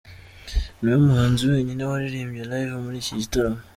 Niwe muhanzi wenyine waririmbye live muri iki gitaramo.